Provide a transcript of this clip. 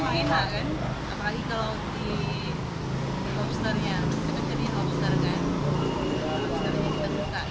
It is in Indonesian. apalagi kalau di lobsternya kita jadiin lobster kan